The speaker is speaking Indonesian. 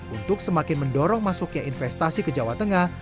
untuk semakin mendorong masuknya investasi ke jawa tengah